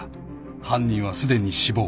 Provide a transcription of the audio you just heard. ［犯人はすでに死亡］